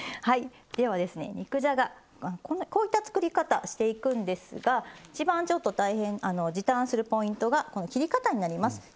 では、肉じゃがこういった作り方をしていくんですが一番大変、時短をするポイントがこの切り方になります。